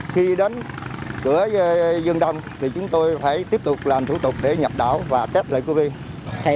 khi đến cửa dương đông thì chúng tôi phải tiếp tục làm thủ tục để nhập đảo và chép lại covid